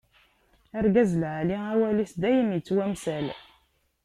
Argaz lɛali, awal-is dayem ittwamsal.